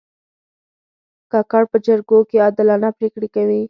کاکړ په جرګو کې عادلانه پرېکړې کوي.